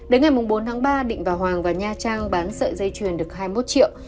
đến ngày bốn tháng ba định và hoàng và nha trang bán sợi dây chuyền được hai mươi một triệu